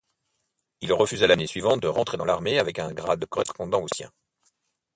Il refusa l'année suivante de rentrer dans l'armée avec un grade correspondant au sien.